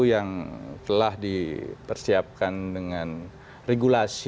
yang telah dipersiapkan dengan regulasi